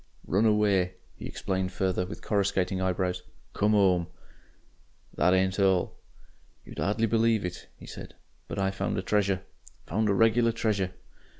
"Run away," he explained further, with coruscating eyebrows. "Come 'ome. "That ain't all. "You'd 'ardly believe it," he said, "but I found a treasure. Found a regular treasure."